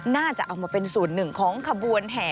น่าจะเอามาเป็นส่วนหนึ่งของขบวนแห่